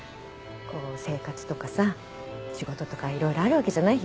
こう生活とかさ仕事とか色々あるわけじゃない。